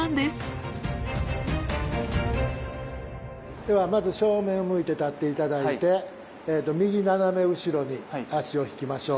ではまず正面を向いて立って頂いて右斜め後ろに足を引きましょう。